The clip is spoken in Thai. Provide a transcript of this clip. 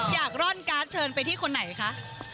กร่อนการ์ดเชิญไปที่คนไหนคะ